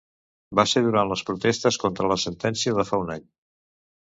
Va ser durant les protestes contra la sentència de fa un any.